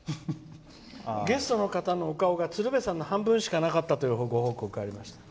ゲストの方のお顔が鶴瓶さんの顔の半分しかなかったというご報告がありました。